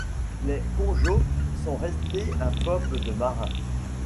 Les Konjo sont restés un peuple de marins.